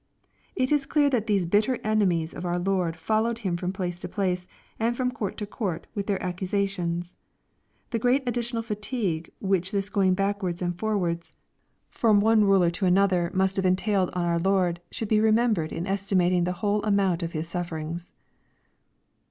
] It is clear that these bitter enemies of our Lord followed Him from place to place, and from court to couit with their accusations. The great ad ditional fatigue which this going backwards and forwaids from ^ EXPOSITOET THOUGHTS. one ruler to another must have entailed on our Lord, should be ro membered in estimating the whole amount of His sufferings.